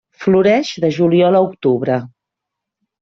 Floreix de juliol a octubre.